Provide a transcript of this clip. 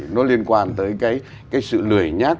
nó liên quan tới cái sự lười nhát